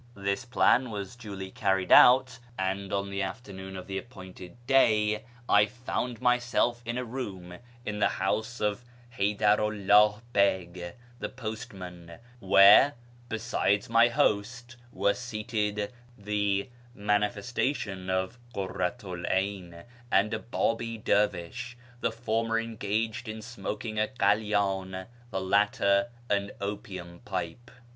This plan was duly carried out, and on the afternoon of 520 A YEAR AMONGST THE PERSIANS the appointed clay I foimd myself in a room in the house of Ilaydaru llah lieg, the postman, where, besides my host, were seated the " Manifestation of Kurratu 'l 'Ayn " and a Babf dervish, the former engaged in smoking a knli/dn, the latter an opiuiu pipe.